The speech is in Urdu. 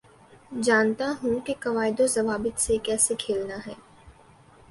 جانتا ہوں کے قوائد و ضوابط سے کیسے کھیلنا ہے